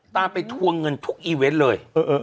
ตามไปทวงเงินทุกอีเวนต์เลย